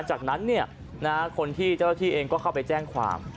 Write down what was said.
จากนั้นคนที่เจ้าหน้าที่เองก็เข้าไปแจ้งความ